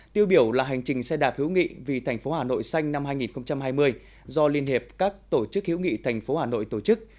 tiêu biểu là hành trình xe đạp hữu nghị vì thành phố hà nội xanh năm hai nghìn hai mươi do liên hiệp các tổ chức hữu nghị thành phố hà nội tổ chức